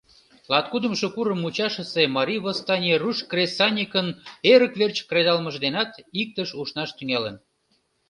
Латкудымшо курым мучашысе марий восстаний руш кресаньыкын эрык верч кредалмыж денат иктыш ушнаш тӱҥалын.